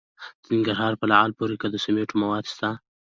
د ننګرهار په لعل پورې کې د سمنټو مواد شته.